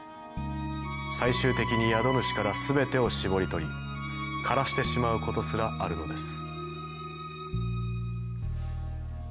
最終的に宿主から全てを搾り取り枯らしてしまうことすらあるのです。